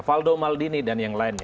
faldo maldini dan yang lainnya